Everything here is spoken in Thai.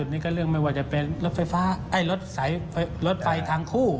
มันก็จะเป็นรถไฟทั้งคู่